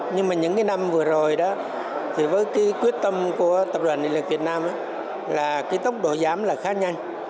nhưng những năm vừa rồi với quyết tâm của tập đoàn điện lực việt nam tốc độ giảm khá nhanh